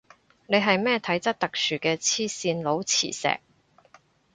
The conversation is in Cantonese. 你係咩體質特殊嘅黐線佬磁石